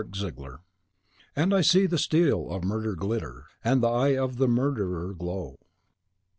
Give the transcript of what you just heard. "Kassandra." (And I see the steel of Murder glitter, And the eye of Murder glow.)